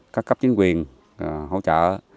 các cấp chính quyền hỗ trợ